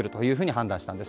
判断したんです。